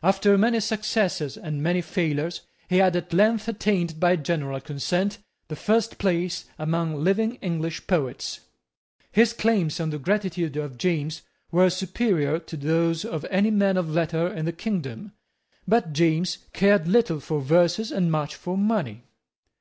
After many successes and many failures, he had at length attained, by general consent, the first place among living English poets. His claims on the gratitude of James were superior to those of any man of letters in the kingdom. But James cared little for verses and much for money.